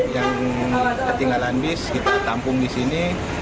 yang ketinggalan bis kita tampung di sini